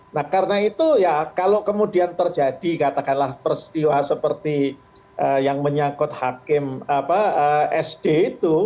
nah karena itu ya kalau kemudian terjadi katakanlah peristiwa seperti yang menyangkut hakim sd itu